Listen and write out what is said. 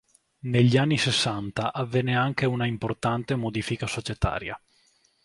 Negli anni sessanta avvenne anche una importante modifica societaria.